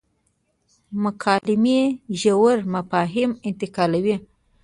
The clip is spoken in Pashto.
مکالمې ژور مفاهیم انتقالوي.